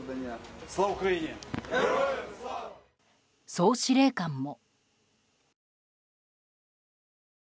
総司令官も。